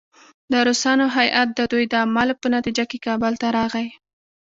د روسانو هیات د دوی د اعمالو په نتیجه کې کابل ته راغی.